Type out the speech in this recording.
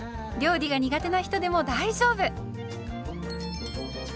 料理が苦手な人でも大丈夫。